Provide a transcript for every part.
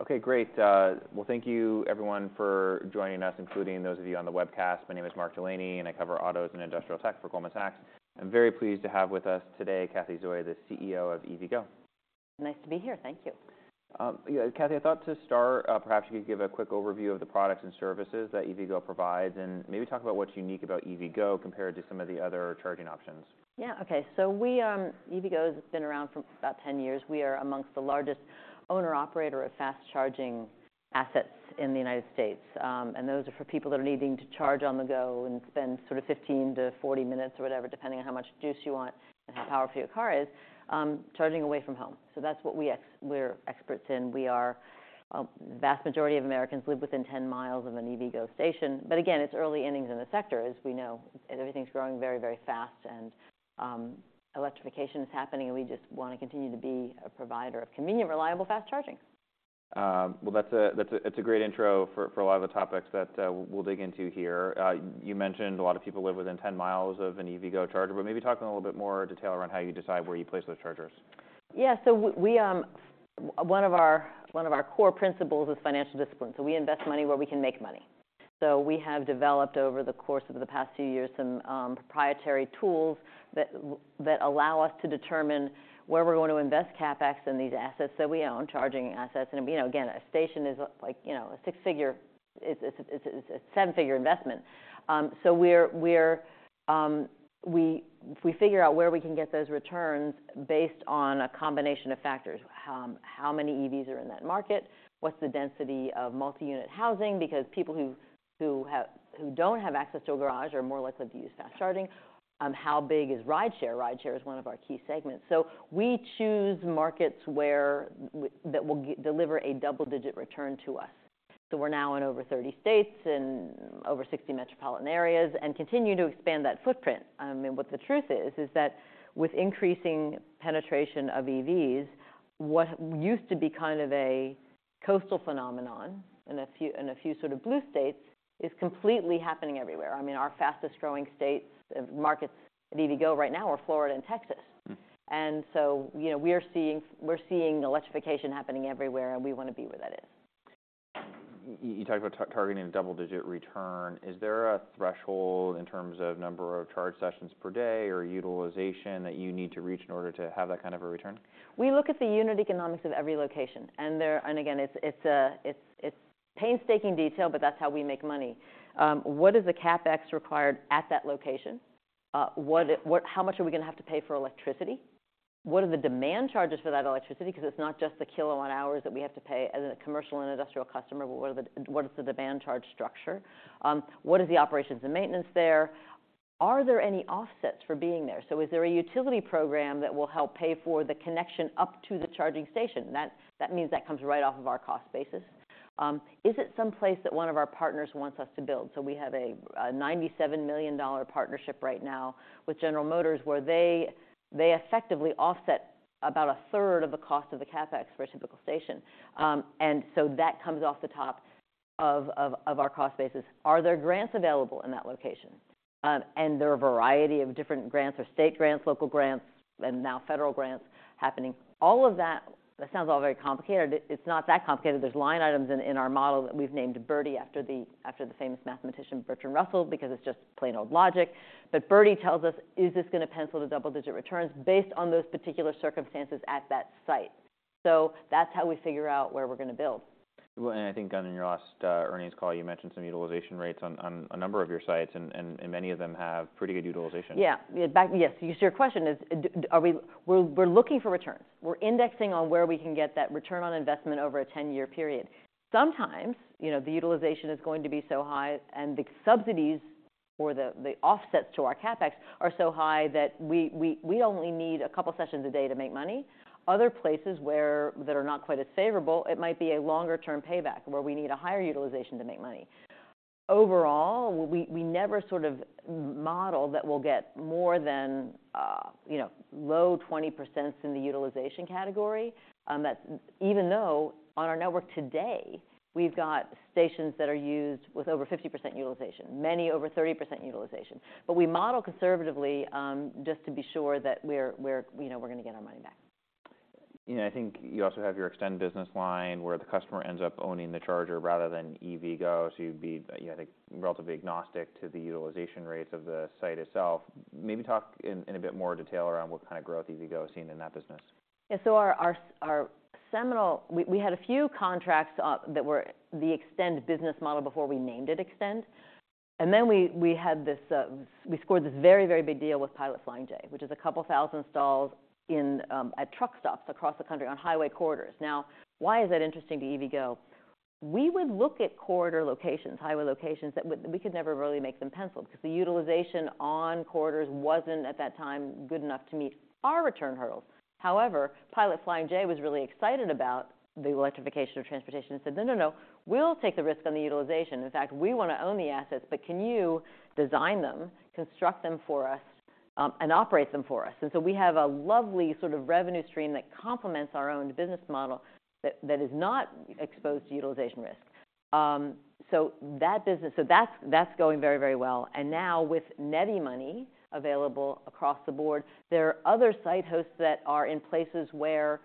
Okay, great. Well, thank you everyone for joining us, including those of you on the webcast. My name is Mark Delaney, and I cover autos and industrial tech for Goldman Sachs. I'm very pleased to have with us today, Cathy Zoi, the CEO of EVgo. Nice to be here. Thank you. Yeah, Cathy, I thought to start, perhaps you could give a quick overview of the products and services that EVgo provides, and maybe talk about what's unique about EVgo compared to some of the other charging options. Yeah. Okay. So we, EVgo has been around for about 10 years. We are among the largest owner-operator of fast charging assets in the United States. And those are for people that are needing to charge on the go and spend sort of 15-40 minutes or whatever, depending on how much juice you want and how powerful your car is, charging away from home. So that's what we're experts in. Vast majority of Americans live within 10 miles of an EVgo station, but again, it's early innings in the sector, as we know, and everything's growing very, very fast and, electrification is happening, and we just wanna continue to be a provider of convenient, reliable, fast charging. Well, that's a great intro for a lot of the topics that we'll dig into here. You mentioned a lot of people live within 10 miles of an EVgo charger, but maybe talk in a little bit more detail around how you decide where you place those chargers. Yeah. So we, one of our core principles is financial discipline, so we invest money where we can make money. So we have developed, over the course of the past few years, some proprietary tools that allow us to determine where we're going to invest CapEx in these assets that we own, charging assets. And, you know, again, a station is, like, you know, it's a seven-figure investment. So we figure out where we can get those returns based on a combination of factors. How many EVs are in that market? What's the density of multi-unit housing? Because people who don't have access to a garage are more likely to use fast charging. How big is rideshare? Rideshare is one of our key segments. So we choose markets where that will deliver a double-digit return to us. So we're now in over 30 states and over 60 metropolitan areas and continue to expand that footprint. And what the truth is, is that with increasing penetration of EVs, what used to be kind of a coastal phenomenon in a few, in a few sort of blue states, is completely happening everywhere. I mean, our fastest growing states, markets at EVgo right now are Florida and Texas. Hmm. You know, we are seeing... We're seeing electrification happening everywhere, and we wanna be where that is. You talked about targeting a double-digit return. Is there a threshold in terms of number of charge sessions per day or utilization that you need to reach in order to have that kind of a return? We look at the unit economics of every location. And again, it's painstaking detail, but that's how we make money. What is the CapEx required at that location? How much are we gonna have to pay for electricity? What are the demand charges for that electricity? Because it's not just the kilowatt hours that we have to pay as a commercial and industrial customer, but what is the demand charge structure? What is the operations and maintenance there? Are there any offsets for being there? So is there a utility program that will help pay for the connection up to the charging station? That means that comes right off of our cost basis. Is it someplace that one of our partners wants us to build? So we have a ninety-seven million dollar partnership right now with General Motors, where they effectively offset about a third of the cost of the CapEx for a typical station. And so that comes off the top of our cost basis. Are there grants available in that location? And there are a variety of different grants. There's state grants, local grants, and now federal grants happening. All of that sounds all very complicated. It's not that complicated. There's line items in our model that we've named Bertie after the famous mathematician, Bertrand Russell, because it's just plain old logic. But Bertie tells us, is this gonna pencil to double-digit returns based on those particular circumstances at that site? So that's how we figure out where we're gonna build. Well, and I think on your last earnings call, you mentioned some utilization rates on a number of your sites, and many of them have pretty good utilization. Yeah. In fact, yes, so your question is, are we? We're looking for returns. We're indexing on where we can get that return on investment over a 10-year period. Sometimes, you know, the utilization is going to be so high, and the subsidies or the offsets to our CapEx are so high that we only need a couple sessions a day to make money. Other places that are not quite as favorable, it might be a longer term payback, where we need a higher utilization to make money. Overall, we never sort of model that we'll get more than, you know, low 20% in the utilization category. That even though on our network today, we've got stations that are used with over 50% utilization, many over 30% utilization. But we model conservatively, just to be sure that we're, you know, gonna get our money back. You know, I think you also have your extended business line, where the customer ends up owning the charger rather than EVgo. So you'd be, you know, like, relatively agnostic to the utilization rates of the site itself. Maybe talk in a bit more detail around what kind of growth EVgo is seeing in that business. Yeah. So our seminal... We had a few contracts that were the eXtend business model before we named it eXtend. And then we had this, we scored this very, very big deal with Pilot Flying J, which is 2,000 stalls at truck stops across the country on highway corridors. Now, why is that interesting to EVgo? We would look at corridor locations, highway locations, that we could never really make them pencil because the utilization on corridors wasn't, at that time, good enough to meet our return hurdles. However, Pilot Flying J was really excited about the electrification of transportation and said, "No, no, no, we'll take the risk on the utilization. In fact, we wanna own the assets, but can you design them, construct them for us, and operate them for us?" And so we have a lovely sort of revenue stream that complements our own business model that, that is not exposed to utilization risk... So that's, that's going very, very well. And now with NEVI money available across the board, there are other site hosts that are in places where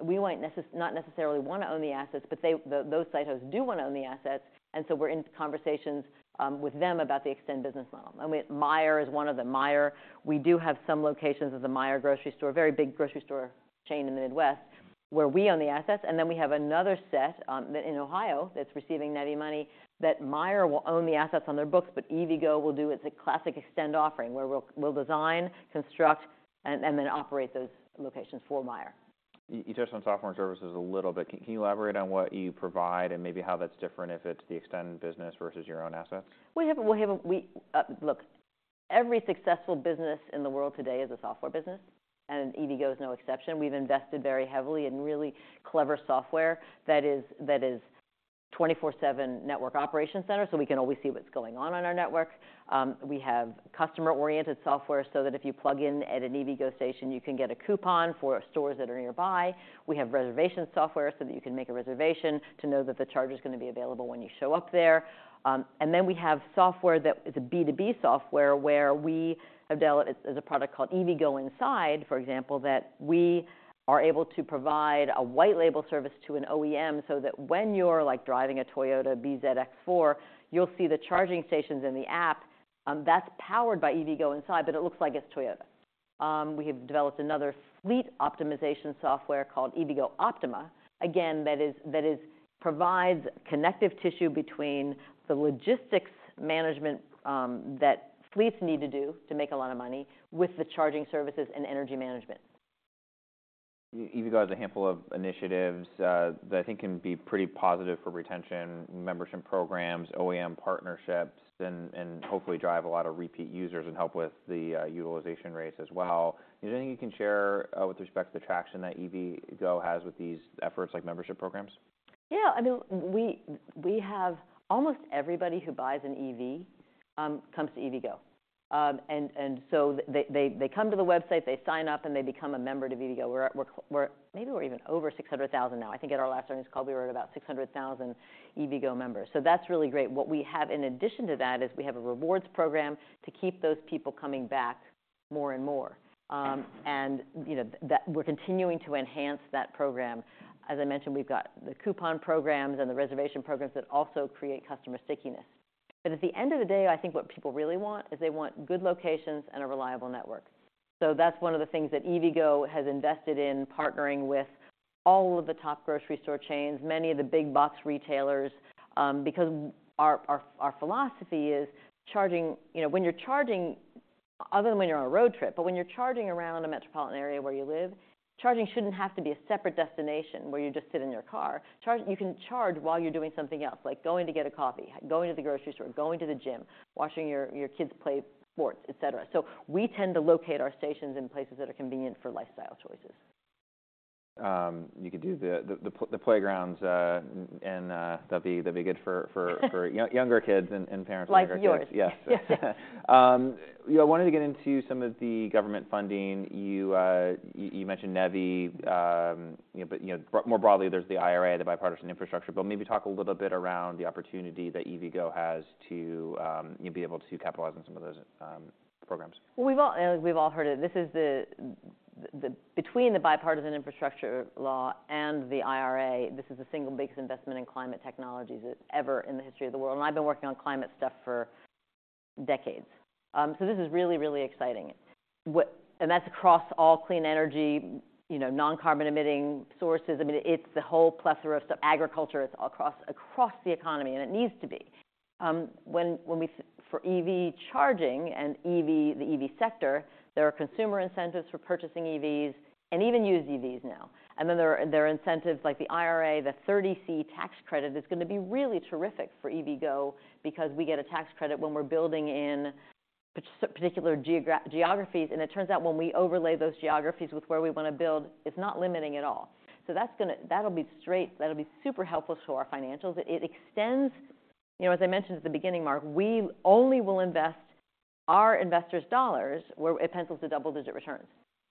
we might not necessarily wanna own the assets, but they, those site hosts do wanna own the assets, and so we're in conversations with them about the eXtend business model. I mean, Meijer is one of them. Meijer, we do have some locations at the Meijer grocery store, a very big grocery store chain in the Midwest, where we own the assets. And then we have another set in Ohio that's receiving NEVI money, that Meijer will own the assets on their books, but EVgo will do. It's a classic eXtend offering, where we'll design, construct, and then operate those locations for Meijer. You touched on software and services a little bit. Can you elaborate on what you provide and maybe how that's different if it's the extended business versus your own assets? Look, every successful business in the world today is a software business, and EVgo is no exception. We've invested very heavily in really clever software that is 24/7 network operation center, so we can always see what's going on on our network. We have customer-oriented software so that if you plug in at an EVgo station, you can get a coupon for stores that are nearby. We have reservation software so that you can make a reservation to know that the charger's gonna be available when you show up there. And then we have software that is a B2B software, where we have developed a product called EVgo Inside, for example, that we are able to provide a white label service to an OEM, so that when you're, like, driving a Toyota bZ4X, you'll see the charging stations in the app. That's powered by EVgo Inside, but it looks like it's Toyota. We have developed another fleet optimization software called EVgo Optima. Again, that is provides connective tissue between the logistics management, that fleets need to do to make a lot of money with the charging services and energy management. EVgo has a handful of initiatives, that I think can be pretty positive for retention, membership programs, OEM partnerships, and, and hopefully drive a lot of repeat users and help with the, utilization rates as well. Is there anything you can share, with respect to the traction that EVgo has with these efforts, like membership programs? Yeah. I mean, we have almost everybody who buys an EV comes to EVgo. And so they come to the website, they sign up, and they become a member of EVgo. We're maybe even over 600,000 now. I think at our last earnings call, we were at about 600,000 EVgo members, so that's really great. What we have in addition to that is we have a rewards program to keep those people coming back more and more. And, you know, that we're continuing to enhance that program. As I mentioned, we've got the coupon programs and the reservation programs that also create customer stickiness. But at the end of the day, I think what people really want is they want good locations and a reliable network. So that's one of the things that EVgo has invested in partnering with all of the top grocery store chains, many of the big box retailers, because our philosophy is charging. You know, when you're charging, other than when you're on a road trip, but when you're charging around a metropolitan area where you live, charging shouldn't have to be a separate destination where you just sit in your car. You can charge while you're doing something else, like going to get a coffee, going to the grocery store, going to the gym, watching your kids play sports, et cetera. So we tend to locate our stations in places that are convenient for lifestyle choices. You could do the playgrounds, and that'd be good for younger kids and parents with younger kids. Like yours. Yes. Yeah, I wanted to get into some of the government funding. You mentioned NEVI, you know, but, you know, more broadly, there's the IRA, the Bipartisan Infrastructure, but maybe talk a little bit around the opportunity that EVgo has to, you know, be able to capitalize on some of those, programs. Well, we've all heard it. This is, between the Bipartisan Infrastructure Law and the IRA, the single biggest investment in climate technologies ever in the history of the world. And I've been working on climate stuff for decades. So this is really, really exciting. And that's across all clean energy, you know, non-carbon emitting sources. I mean, it's the whole plethora of stuff. Agriculture, it's across the economy, and it needs to be. When we for EV charging and EV, the EV sector, there are consumer incentives for purchasing EVs and even used EVs now. And then there are incentives like the IRA, the 30C tax credit, that's gonna be really terrific for EVgo because we get a tax credit when we're building in particular geographies. And it turns out, when we overlay those geographies with where we wanna build, it's not limiting at all. So that'll be super helpful to our financials. It extends you know, as I mentioned at the beginning, Mark, we only will invest our investors' dollars where it pencils to double-digit returns.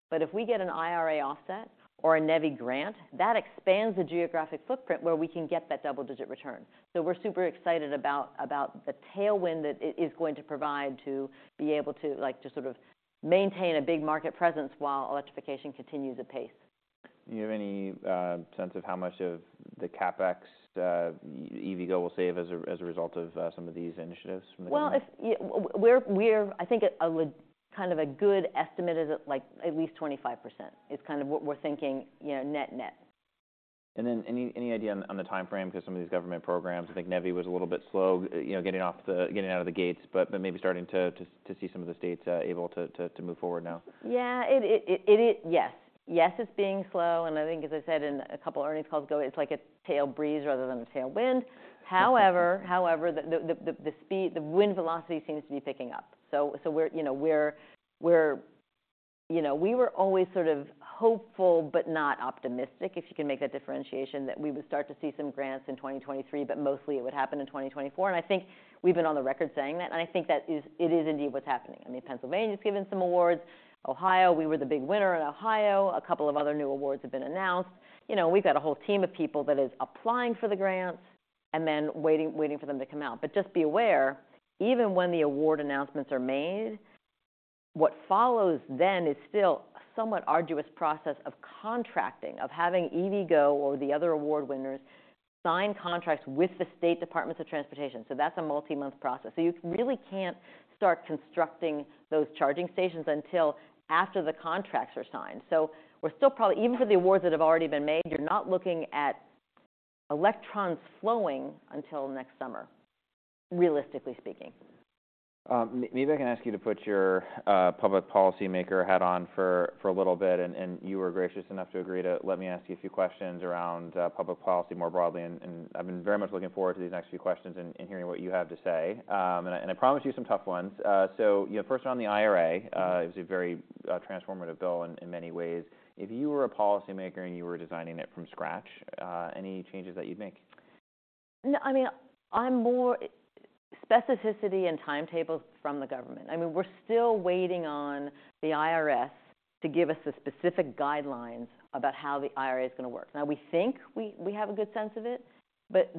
But if we get an IRA offset or a NEVI grant, that expands the geographic footprint where we can get that double-digit return. So we're super excited about, about the tailwind that it is going to provide to be able to, like, just sort of maintain a big market presence while electrification continues apace. Do you have any sense of how much of the CapEx EVgo will save as a result of some of these initiatives from the government? Well, if... Yeah, we're, I think a kind of good estimate is at least 25%, kind of what we're thinking, you know, net-net. And then, any idea on the timeframe? Because some of these government programs, I think NEVI was a little bit slow, you know, getting out of the gates, but maybe starting to see some of the states able to move forward now. Yeah, it is... Yes. Yes, it's being slow, and I think, as I said in a couple earnings calls ago, it's like a tail breeze rather than a tailwind. However, the speed, the wind velocity seems to be picking up. So, we're, you know, we're... You know, we were always sort of hopeful, but not optimistic, if you can make that differentiation, that we would start to see some grants in 2023, but mostly it would happen in 2024. And I think we've been on the record saying that, and I think that is, it is indeed what's happening. I mean, Pennsylvania's given some awards. Ohio, we were the big winner in Ohio. A couple of other new awards have been announced. You know, we've got a whole team of people that is applying for the grants... Then waiting, waiting for them to come out. But just be aware, even when the award announcements are made, what follows then is still a somewhat arduous process of contracting, of having EVgo or the other award winners sign contracts with the state departments of transportation. So that's a multi-month process. So we're still probably even for the awards that have already been made, you're not looking at electrons flowing until next summer, realistically speaking. Maybe I can ask you to put your public policymaker hat on for a little bit, and you were gracious enough to agree to let me ask you a few questions around public policy more broadly. I've been very much looking forward to these next few questions and hearing what you have to say. I promise you some tough ones. So, you know, first around the IRA, it was a very transformative bill in many ways. If you were a policymaker and you were designing it from scratch, any changes that you'd make? No, I mean, I'm more specificity and timetables from the government. I mean, we're still waiting on the IRS to give us the specific guidelines about how the IRA is gonna work. Now, we think we have a good sense of it, but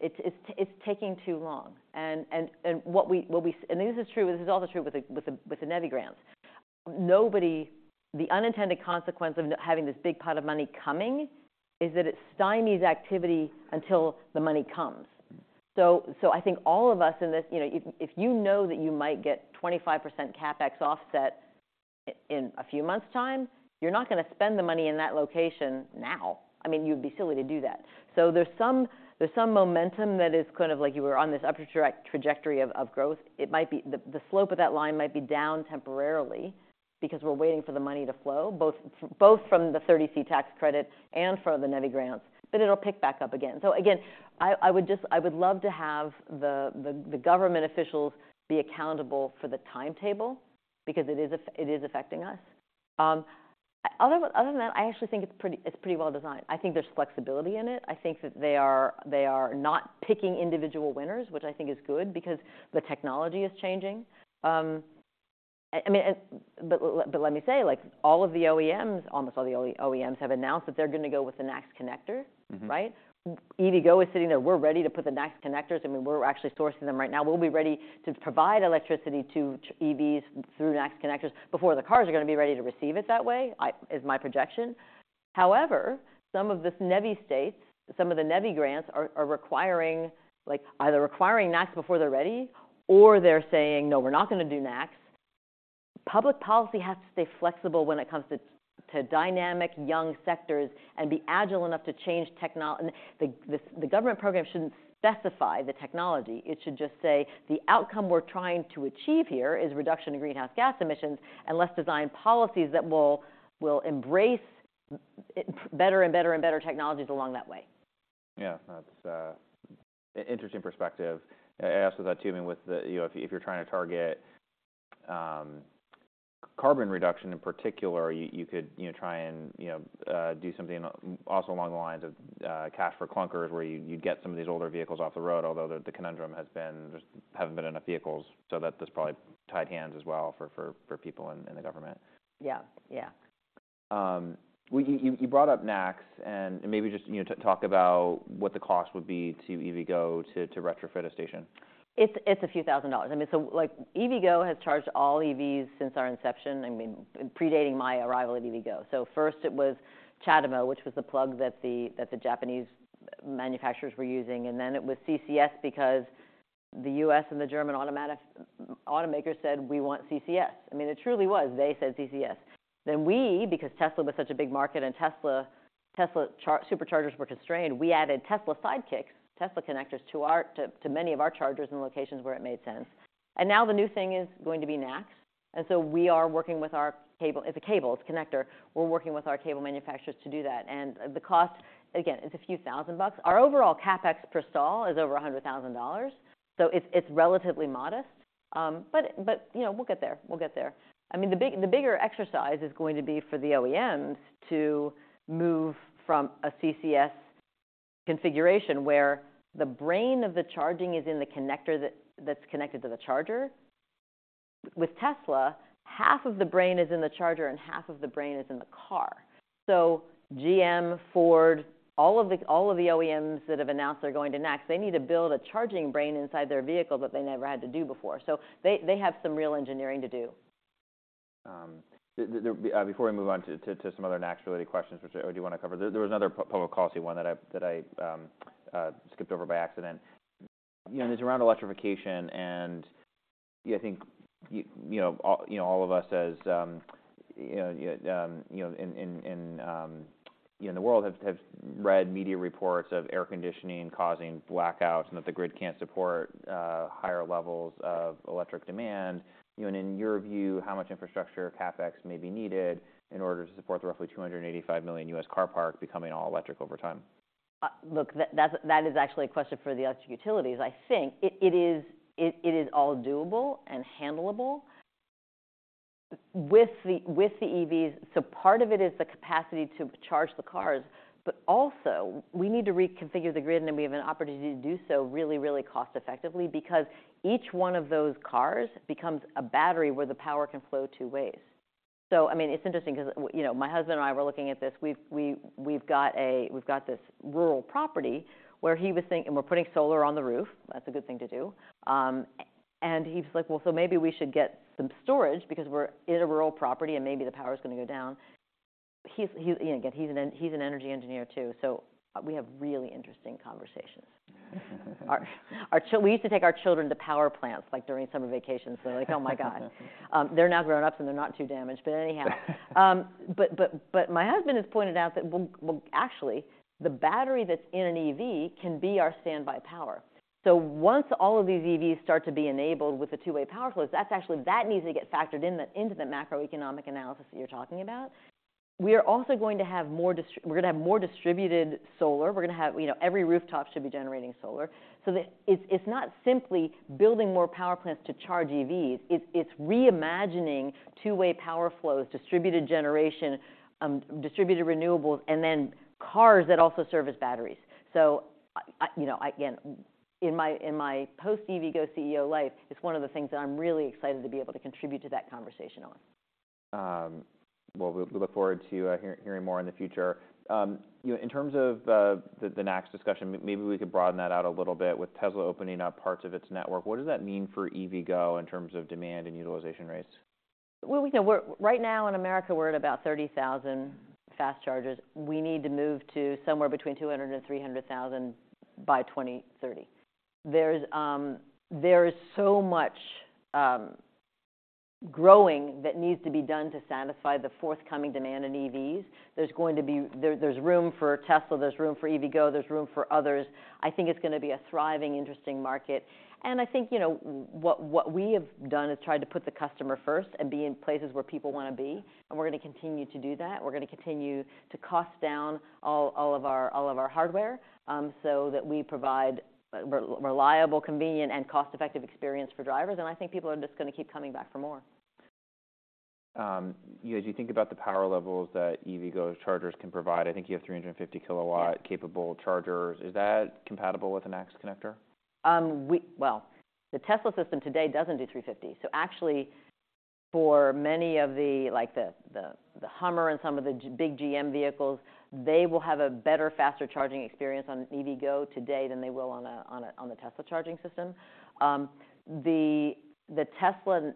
it's taking too long. And this is true, this is also true with the NEVI grants. Nobody the unintended consequence of having this big pot of money coming is that it stymies activity until the money comes. So I think all of us in this, you know, if you know that you might get 25% CapEx offset in a few months' time, you're not gonna spend the money in that location now. I mean, you'd be silly to do that. So there's some momentum that is kind of like you were on this up trajectory of growth. It might be... The slope of that line might be down temporarily because we're waiting for the money to flow, both from the 30C tax credit and from the NEVI grants, but it'll pick back up again. So again, I would just—I would love to have the government officials be accountable for the timetable because it is affecting us. Other than that, I actually think it's pretty well designed. I think there's flexibility in it. I think that they are not picking individual winners, which I think is good because the technology is changing. I mean, but let me say, like, all of the OEMs, almost all the OEMs have announced that they're gonna go with the NACS connector. Mm-hmm. Right? EVgo is sitting there, we're ready to put the NACS connectors in. We're actually sourcing them right now. We'll be ready to provide electricity to EVs through NACS connectors before the cars are gonna be ready to receive it that way, I... is my projection. However, some of these NEVI states, some of the NEVI grants are requiring, like, either requiring NACS before they're ready, or they're saying, "No, we're not gonna do NACS." Public policy has to stay flexible when it comes to dynamic young sectors and be agile enough to change technology and the government program shouldn't specify the technology. It should just say, "The outcome we're trying to achieve here is reduction in greenhouse gas emissions," and let's design policies that will embrace better and better and better technologies along that way. Yeah, that's an interesting perspective. I ask that, too, I mean, with the, you know, if you're trying to target carbon reduction in particular, you could, you know, try and do something also along the lines of Cash for Clunkers, where you'd get some of these older vehicles off the road, although the conundrum has been there haven't been enough vehicles, so that has probably tied hands as well for people in the government. Yeah. Yeah. Well, you brought up NACS, and maybe just, you know, talk about what the cost would be to EVgo to retrofit a station. It's a few thousand dollars. I mean, so, like, EVgo has charged all EVs since our inception, I mean, predating my arrival at EVgo. So first it was CHAdeMO, which was the plug that the Japanese manufacturers were using, and then it was CCS because the U.S. and the German automakers said, "We want CCS." I mean, it truly was. They said, "CCS." Then we, because Tesla was such a big market and Tesla Superchargers were constrained, we added Tesla Sidekicks, Tesla connectors to our many of our chargers in locations where it made sense. And now the new thing is going to be NACS, and so we are working with our cable... It's a cable, it's a connector. We're working with our cable manufacturers to do that, and the cost, again, is a few thousand bucks. Our overall CapEx per stall is over $100,000, so it's relatively modest. But you know, we'll get there. We'll get there. I mean, the bigger exercise is going to be for the OEMs to move from a CCS configuration, where the brain of the charging is in the connector that's connected to the charger. With Tesla, half of the brain is in the charger and half of the brain is in the car. So GM, Ford, all of the OEMs that have announced they're going to NACS, they need to build a charging brain inside their vehicle that they never had to do before. So they have some real engineering to do. There, before we move on to some other NACS-related questions, which I do wanna cover, there was another public policy one that I skipped over by accident. You know, and it's around electrification, and I think, you know, all of us as, you know, in the world have read media reports of air conditioning causing blackouts and that the grid can't support higher levels of electric demand. You know, and in your view, how much infrastructure CapEx may be needed in order to support the roughly 285 million U.S. car park becoming all electric over time? Look, that is actually a question for the electric utilities. I think it is all doable and handleable. With the EVs. So part of it is the capacity to charge the cars, but also, we need to reconfigure the grid, and we have an opportunity to do so really, really cost-effectively because each one of those cars becomes a battery where the power can flow two ways. So, I mean, it's interesting because you know, my husband and I were looking at this. We've got this rural property where he was thinking and we're putting solar on the roof. That's a good thing to do. He was like: "Well, so maybe we should get some storage because we're in a rural property, and maybe the power is gonna go down." He's, you know, again, he's an energy engineer, too, so we have really interesting conversations. We used to take our children to power plants, like, during summer vacations. They're like, "Oh, my God!" They're now grown up, and they're not too damaged. But my husband has pointed out that, well, actually, the battery that's in an EV can be our standby power. So once all of these EVs start to be enabled with the two-way power flows, that's actually that needs to get factored into the macroeconomic analysis that you're talking about. We are also going to have more distributed solar. We're gonna have... You know, every rooftop should be generating solar. So the, it's, it's not simply building more power plants to charge EVs, it's, it's reimagining two-way power flows, distributed generation, distributed renewables, and then cars that also serve as batteries. So I, you know, again, in my, in my post-EVgo CEO life, it's one of the things that I'm really excited to be able to contribute to that conversation on. Well, we look forward to hearing more in the future. You know, in terms of the NACS discussion, maybe we could broaden that out a little bit. With Tesla opening up parts of its network, what does that mean for EVgo in terms of demand and utilization rates? Well, we know we're right now in America, we're at about 30,000 fast chargers. We need to move to somewhere between 200,000-300,000 by 2030. There's there is so much growing that needs to be done to satisfy the forthcoming demand in EVs. There's going to be... There, there's room for Tesla, there's room for EVgo, there's room for others. I think it's gonna be a thriving, interesting market. And I think, you know, what, what we have done is tried to put the customer first and be in places where people wanna be, and we're gonna continue to do that. We're gonna continue to cost down all, all of our, all of our hardware, so that we provide reliable, convenient, and cost-effective experience for drivers, and I think people are just gonna keep coming back for more. you know, as you think about the power levels that EVgo's chargers can provide, I think you have 350 kW- Yeah... capable chargers. Is that compatible with a NACS connector? Well, the Tesla system today doesn't do 350. So actually, for many of the, like the Hummer and some of the big GM vehicles, they will have a better, faster charging experience on EVgo today than they will on the Tesla charging system. The Tesla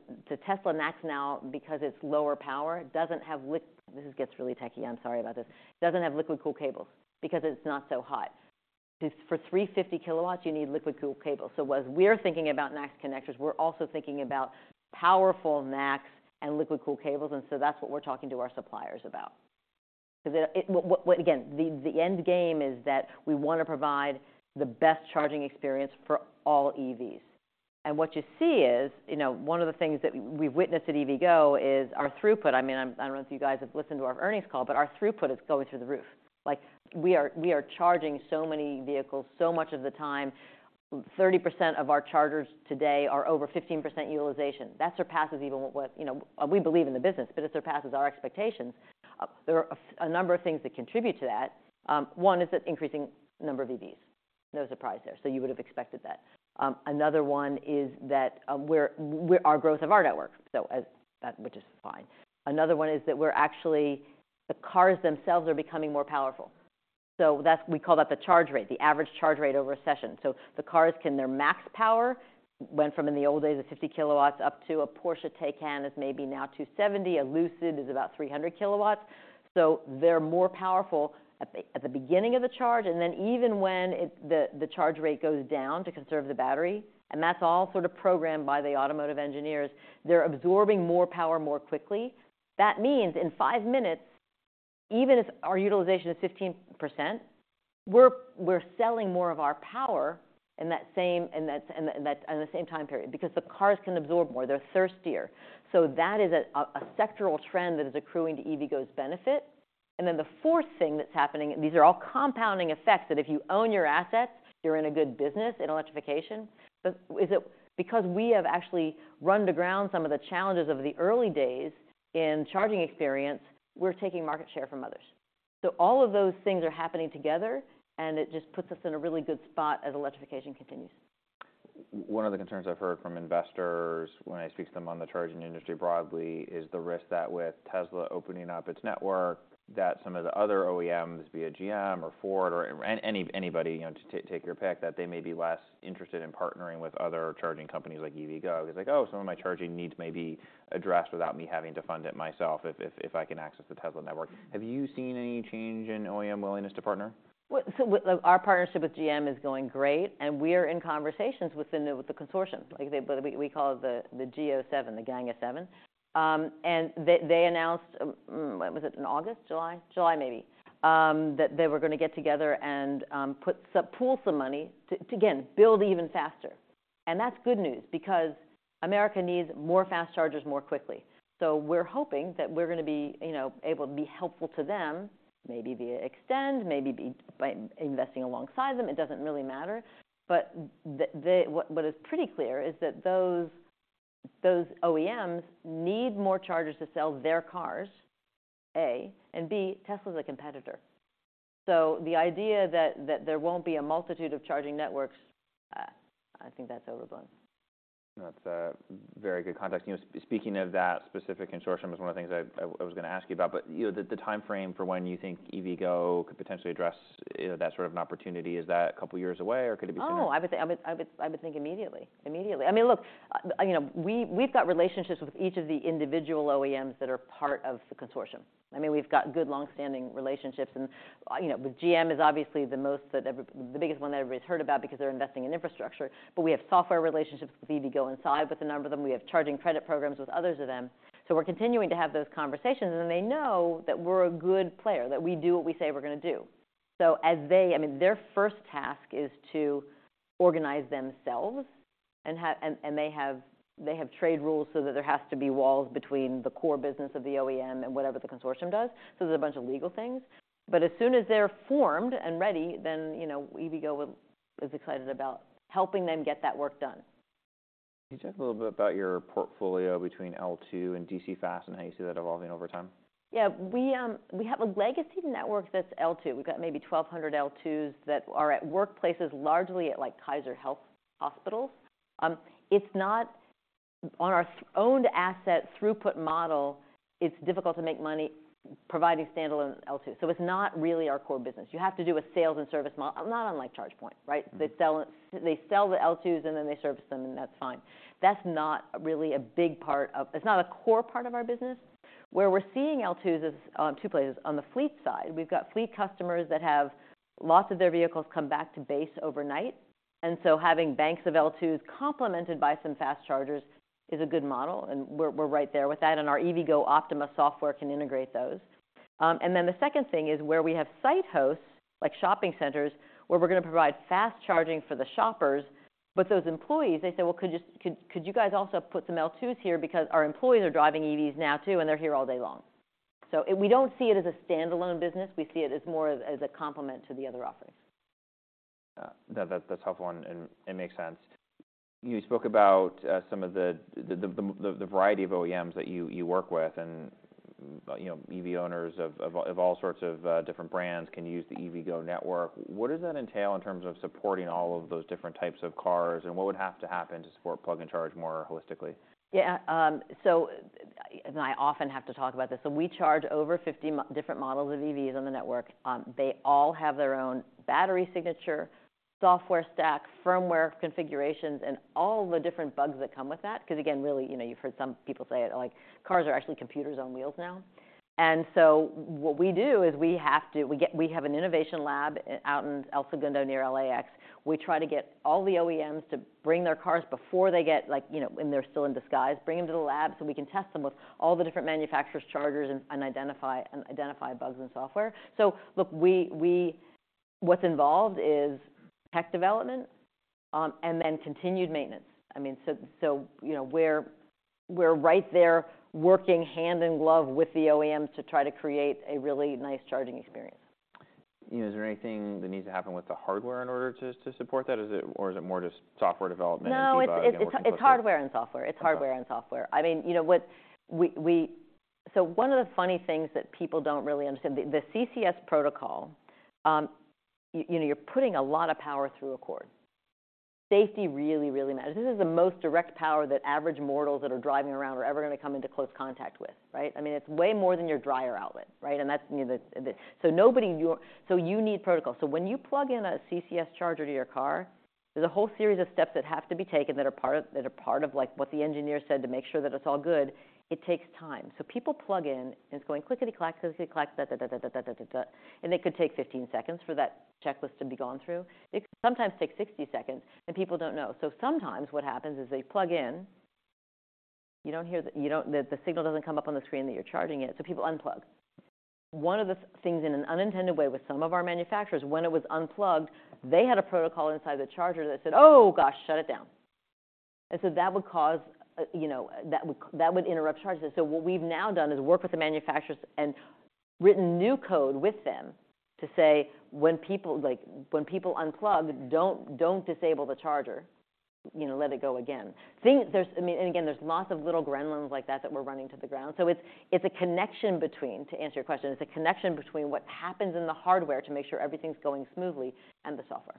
NACS now, because it's lower power, doesn't have liquid-cooled cables because it's not so hot. 'Cause for 350 kilowatts, you need liquid-cooled cables. So as we're thinking about NACS connectors, we're also thinking about powerful NACS and liquid-cooled cables, and so that's what we're talking to our suppliers about. Because, again, the end game is that we wanna provide the best charging experience for all EVs. And what you see is, you know, one of the things that we've witnessed at EVgo is our throughput. I mean, I don't know if you guys have listened to our earnings call, but our throughput is going through the roof. Like, we are, we are charging so many vehicles, so much of the time. 30% of our chargers today are over 15% utilization. That surpasses even what you know we believe in the business, but it surpasses our expectations. There are a number of things that contribute to that. One is the increasing number of EVs. No surprise there, so you would have expected that. Another one is that we're our growth of our network, so that, which is fine. Another one is that we're actually... The cars themselves are becoming more powerful. So that's—we call that the charge rate, the average charge rate over a session. So the cars can... Their max power went from, in the old days, of 50 kW, up to a Porsche Taycan is maybe now 270, a Lucid is about 300 kW. So they're more powerful at the beginning of the charge, and then even when it, the charge rate goes down to conserve the battery, and that's all sort of programmed by the automotive engineers, they're absorbing more power more quickly. That means in 5 minutes, even if our utilization is 15%, we're selling more of our power in that same time period because the cars can absorb more. They're thirstier. So that is a sectoral trend that is accruing to EVgo's benefit. And then the fourth thing that's happening, these are all compounding effects, that if you own your assets, you're in a good business in electrification. But is it because we have actually run to ground some of the challenges of the early days in charging experience? We're taking market share from others. So all of those things are happening together, and it just puts us in a really good spot as electrification continues. One of the concerns I've heard from investors when I speak to them on the charging industry broadly, is the risk that with Tesla opening up its network, that some of the other OEMs, be it GM or Ford or any anybody, you know, take your pick, that they may be less interested in partnering with other charging companies like EVgo. It's like, oh, some of my charging needs may be addressed without me having to fund it myself if, if, if I can access the Tesla network. Have you seen any change in OEM willingness to partner? Well, so with our partnership with GM is going great, and we're in conversations with the new—with the consortium, like they, we call it the G-O Seven, the Gang of Seven. And they announced, was it in August? July? July, maybe, that they were gonna get together and pool some money to, again, build even faster. And that's good news, because America needs more fast chargers more quickly. So we're hoping that we're gonna be, you know, able to be helpful to them, maybe via Extend, maybe by investing alongside them, it doesn't really matter. But the what is pretty clear is that those OEMs need more chargers to sell their cars, A, and B, Tesla's a competitor. So the idea that there won't be a multitude of charging networks-... I think that's overblown. That's a very good context. You know, speaking of that specific consortium is one of the things I was gonna ask you about. But, you know, the timeframe for when you think EVgo could potentially address, you know, that sort of an opportunity, is that a couple of years away, or could it be sooner? Oh, I would say, I would think immediately. Immediately. I mean, look, you know, we, we've got relationships with each of the individual OEMs that are part of the consortium. I mean, we've got good long-standing relationships, and, you know, with GM is obviously the most—the biggest one that everybody's heard about because they're investing in infrastructure. But we have software relationships with EVgo Inside, with a number of them. We have charging credit programs with others of them. So we're continuing to have those conversations, and then they know that we're a good player, that we do what we say we're gonna do. So as they... I mean, their first task is to organize themselves and they have trade rules so that there has to be walls between the core business of the OEM and whatever the consortium does, so there's a bunch of legal things. But as soon as they're formed and ready, then, you know, EVgo is excited about helping them get that work done. Can you talk a little bit about your portfolio between L2 and DC Fast, and how you see that evolving over time? Yeah. We have a legacy network that's L2. We've got maybe 1,200 L2s that are at workplaces, largely at, like, Kaiser Health Hospitals. It's not... On our own asset throughput model, it's difficult to make money providing standalone L2, so it's not really our core business. You have to do a sales and service model, not unlike ChargePoint, right? Mm-hmm. They sell, they sell the L2s, and then they service them, and that's fine. That's not really a big part of... It's not a core part of our business. Where we're seeing L2s is on two places. On the fleet side, we've got fleet customers that have lots of their vehicles come back to base overnight, and so having banks of L2s complemented by some fast chargers is a good model, and we're right there with that, and our EVgo Optima software can integrate those. And then the second thing is where we have site hosts, like shopping centers, where we're gonna provide fast charging for the shoppers. But those employees, they say, "Well, could you just put some L2s here? Because our employees are driving EVs now too, and they're here all day long." So and we don't see it as a standalone business. We see it as more of a complement to the other offerings. Yeah. That's a tough one, and it makes sense. You spoke about some of the variety of OEMs that you work with and, you know, EV owners of all sorts of different brands can use the EVgo network. What does that entail in terms of supporting all of those different types of cars, and what would have to happen to support plug and charge more holistically? Yeah, so, and I often have to talk about this. So we charge over 50 different models of EVs on the network. They all have their own battery signature, software stack, firmware configurations, and all the different bugs that come with that. 'Cause again, really, you know, you've heard some people say it, like, cars are actually computers on wheels now. And so what we do is we have an innovation lab out in El Segundo, near LAX. We try to get all the OEMs to bring their cars before they get, like, you know, when they're still in disguise, bring them to the lab so we can test them with all the different manufacturers' chargers and identify bugs in the software. So look, what's involved is tech development and then continued maintenance. I mean, so, so, you know, we're, we're right there working hand in glove with the OEMs to try to create a really nice charging experience. You know, is there anything that needs to happen with the hardware in order to support that, or is it more just software development and debugging and working closely? No, it's hardware and software. Okay. It's hardware and software. I mean, you know what? So one of the funny things that people don't really understand, the CCS protocol, you know, you're putting a lot of power through a cord. Safety really, really matters. This is the most direct power that average mortals that are driving around are ever gonna come into close contact with, right? I mean, it's way more than your dryer outlet, right? And that's, you know, the... So you need protocol. So when you plug in a CCS charger to your car, there's a whole series of steps that have to be taken that are part of, like, what the engineer said to make sure that it's all good. It takes time. So people plug in, and it's going, clickety-clack, clickety-clack, da, da, da, da, da, da, da, da, da. It could take 15 seconds for that checklist to be gone through. It sometimes takes 60 seconds, and people don't know. So sometimes what happens is they plug in, you don't hear the- you don't. The signal doesn't come up on the screen that you're charging yet, so people unplug. One of the things, in an unintended way, with some of our manufacturers, when it was unplugged, they had a protocol inside the charger that said, "Oh, gosh! Shut it down." And so that would cause, you know, that would, that would interrupt charges. So what we've now done is work with the manufacturers and written new code with them to say, "When people, like, when people unplug, don't, don't disable the charger. You know, let it go again. There's... I mean, and again, there's lots of little gremlins like that that we're running to the ground. So it's, it's a connection between, to answer your question, it's a connection between what happens in the hardware to make sure everything's going smoothly and the software.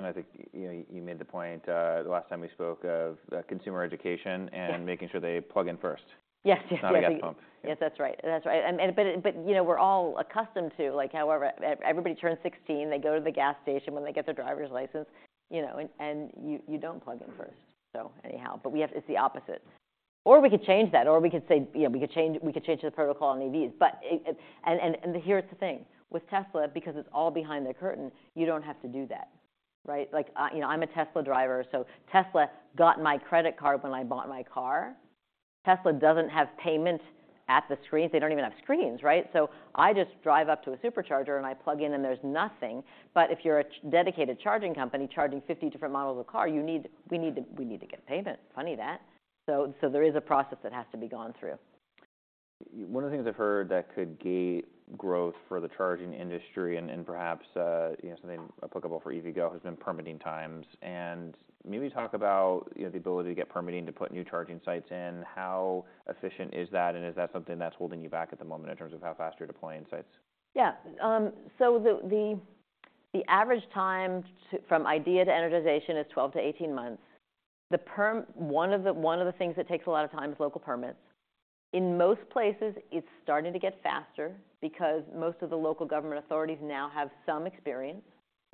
I think, you know, you made the point the last time we spoke of consumer education- Yeah... and making sure they plug in first. Yes, yes. Not at the gas pump. Yes, that's right. That's right. But, you know, we're all accustomed to, like, however, everybody turns 16, they go to the gas station when they get their driver's license, you know, and you don't plug in first. So anyhow, but it's the opposite. Or we could change that, or we could say, you know, we could change the protocol on EVs. But it... And here's the thing: with Tesla, because it's all behind the curtain, you don't have to do that, right? Like, you know, I'm a Tesla driver, so Tesla got my credit card when I bought my car. Tesla doesn't have payment at the screens. They don't even have screens, right? So I just drive up to a Supercharger, and I plug in, and there's nothing. But if you're a dedicated charging company charging 50 different models of car, we need to get payment. Funny that. So there is a process that has to be gone through. One of the things I've heard that could gate growth for the charging industry and, perhaps, you know, something applicable for EVgo, has been permitting times. And maybe talk about, you know, the ability to get permitting to put new charging sites in. How efficient is that, and is that something that's holding you back at the moment in terms of how fast you're deploying sites? Yeah. So the average time from idea to energization is 12-18 months. One of the things that takes a lot of time is local permits. In most places, it's starting to get faster because most of the local government authorities now have some experience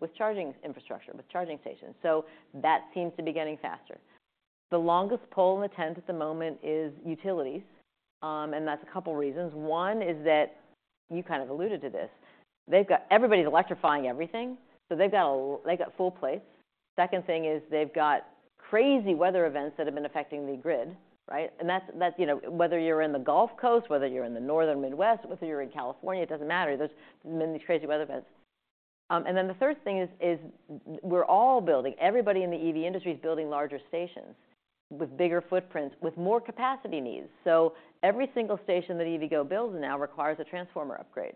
with charging infrastructure, with charging stations. So that seems to be getting faster. The longest pole in the tent at the moment is utilities, and that's a couple reasons. One is that, you kind of alluded to this, they've got everybody's electrifying everything, so they've got full plates. Second thing is they've got crazy weather events that have been affecting the grid, right? And that's, you know, whether you're in the Gulf Coast, whether you're in the Northern Midwest, whether you're in California, it doesn't matter. There's been these crazy weather events. And then the third thing is we're all building. Everybody in the EV industry is building larger stations with bigger footprints, with more capacity needs. So every single station that EVgo builds now requires a transformer upgrade.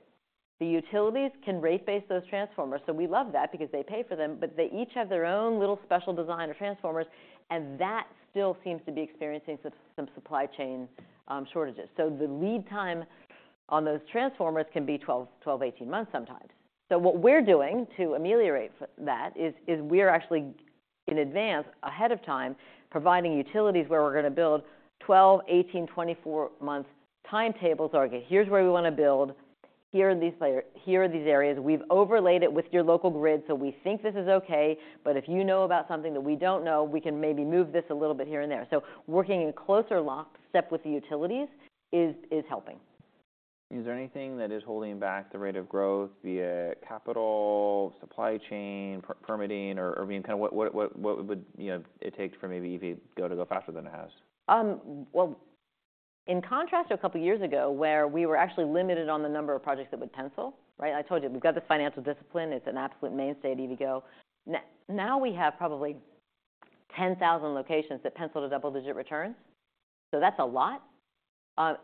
The utilities can rate base those transformers, so we love that because they pay for them, but they each have their own little special design of transformers, and that still seems to be experiencing some supply chain shortages. So the lead time on those transformers can be 12-18 months sometimes. So what we're doing to ameliorate that is we're actually in advance, ahead of time, providing utilities where we're gonna build 12-, 18-, 24-month timetables. Okay, here's where we wanna build. Here are these layer. Here are these areas. We've overlaid it with your local grid, so we think this is okay, but if you know about something that we don't know, we can maybe move this a little bit here and there. So working in closer lockstep with the utilities is helping. Is there anything that is holding back the rate of growth via capital, supply chain, permitting, or I mean, kind of what would, you know, it take for maybe EVgo to go faster than it has? Well, in contrast to a couple of years ago, where we were actually limited on the number of projects that would pencil, right? I told you, we've got this financial discipline. It's an absolute mainstay at EVgo. Now we have probably 10,000 locations that pencil to double-digit returns, so that's a lot. Now,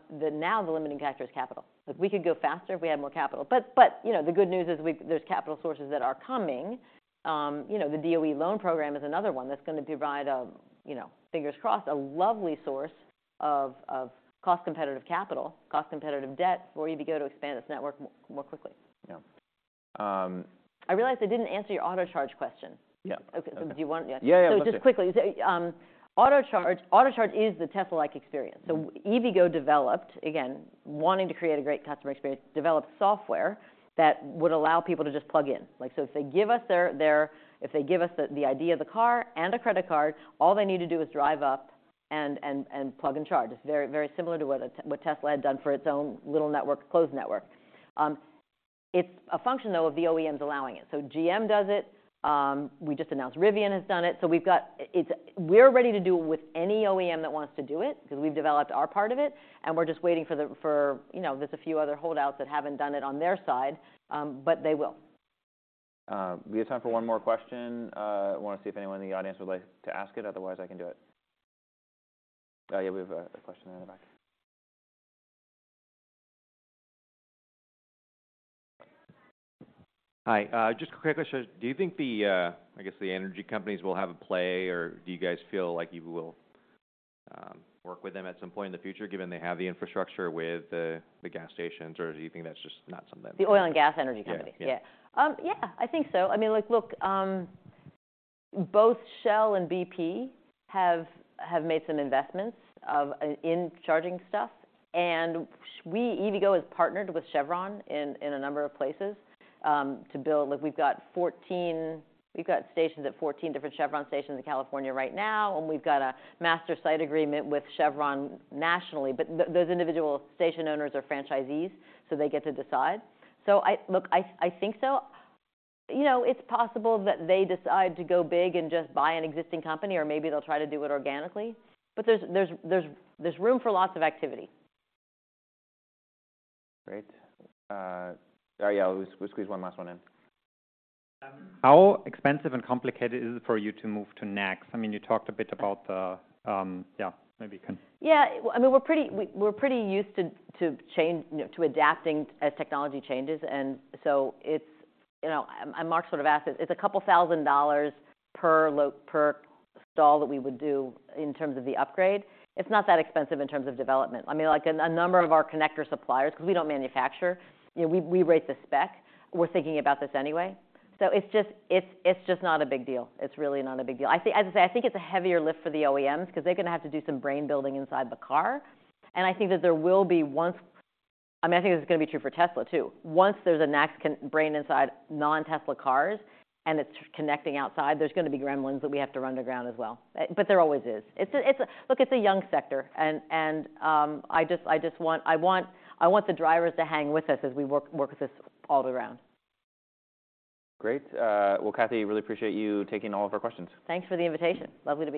the limiting factor is capital. We could go faster if we had more capital. But, you know, the good news is we, there's capital sources that are coming. You know, the DOE Loan Program is another one that's gonna provide a, you know, fingers crossed, a lovely source of cost-competitive capital, cost-competitive debt for EVgo to expand its network more quickly. Yeah. Um- I realized I didn't answer your Autocharge+ question. Yeah. Okay, so do you want... Yeah. Yeah, yeah. Just quickly, Autocharge+, Autocharge+ is the Tesla-like experience. Mm-hmm. So EVgo developed, again, wanting to create a great customer experience, developed software that would allow people to just plug in. Like, so if they give us their ID of the car and a credit card, all they need to do is drive up and plug and charge. It's very, very similar to what Tesla had done for its own little network, closed network. It's a function, though, of the OEMs allowing it. So GM does it. We just announced Rivian has done it. So we've got, it's—we're ready to do it with any OEM that wants to do it because we've developed our part of it, and we're just waiting for the. You know, there's a few other holdouts that haven't done it on their side, but they will. We have time for one more question. I wanna see if anyone in the audience would like to ask it. Otherwise, I can do it. Yeah, we have a question in the back. Hi, just a quick question. Do you think the, I guess, the energy companies will have a play, or do you guys feel like you will work with them at some point in the future, given they have the infrastructure with the gas stations, or do you think that's just not something- The oil and gas energy companies? Yeah, yeah. Yeah. Yeah, I think so. I mean, like, look, both Shell and BP have made some investments in charging stuff, and we, EVgo, has partnered with Chevron in a number of places to build. Like, we've got stations at 14 different Chevron stations in California right now, and we've got a master site agreement with Chevron nationally. But those individual station owners are franchisees, so they get to decide. So I... Look, I think so. You know, it's possible that they decide to go big and just buy an existing company, or maybe they'll try to do it organically, but there's room for lots of activity. Great. Yeah, we'll squeeze one last one in. How expensive and complicated is it for you to move to NACS? I mean, you talked a bit about the, maybe you can- Yeah, I mean, we're pretty used to change, you know, to adapting as technology changes, and so it's... You know, and Mark sort of asked this. It's $2,000 per stall that we would do in terms of the upgrade. It's not that expensive in terms of development. I mean, like, a number of our connector suppliers, because we don't manufacture, you know, we write the spec. We're thinking about this anyway. So it's just not a big deal. It's really not a big deal. I think, as I say, I think it's a heavier lift for the OEMs because they're gonna have to do some brain building inside the car, and I think that there will be, once... I mean, I think this is gonna be true for Tesla, too. Once there's a next brain inside non-Tesla cars, and it's connecting outside, there's gonna be gremlins that we have to run to ground as well. But there always is. It's a... Look, it's a young sector, and I just want the drivers to hang with us as we work with this all the way around. Great. Well, Cathy, really appreciate you taking all of our questions. Thanks for the invitation. Lovely to be here.